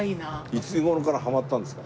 いつ頃からハマったんですか？